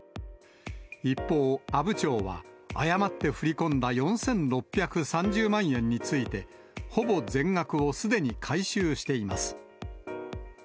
一方、阿武町は、誤って振り込んだ４６３０万円について、ほぼ全額をすでに回収しています。